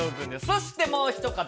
そしてもう一方。